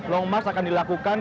long march akan dilakukan